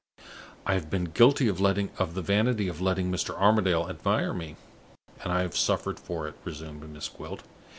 "I have been guilty of the vanity of letting Mr. Armadale admire me, and I have suffered for it," resumed Miss Gwilt.